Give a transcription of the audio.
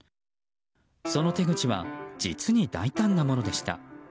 その手口は実に大胆なものでした。